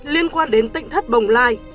liên quan đến tịnh thất bồng lai